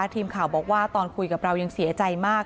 ทีมข่าวบอกว่าตอนคุยกับเรายังเสียใจมาก